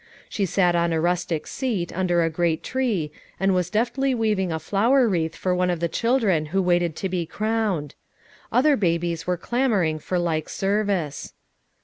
She sat on a rustic seat under a great tree and was deftly weaving a flower wreath for one of the children who waited to be crowned. Other babies were clamoring for like service.